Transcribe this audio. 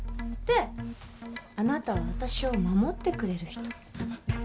であなたは私を守ってくれる人。